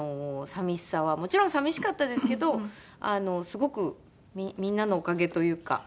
もちろん寂しかったですけどすごくみんなのおかげというか。